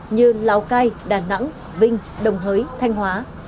như lào cai đà nẵng vinh đồng hới thanh hóa